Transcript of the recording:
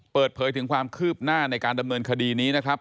เปิดเผยถึงความคืบหน้าในการดำเนินคดีนี้นะครับ